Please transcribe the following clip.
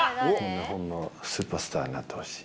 日本のスーパースターになってほしい。